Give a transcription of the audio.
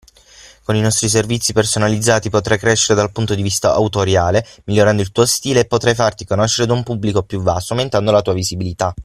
Con i nostri servizi personalizzati potrai crescere dal punto di vista autoriale, migliorando il tuo stile, e potrai farti conoscere da un pubblico più vasto, aumentando la tua visibilità.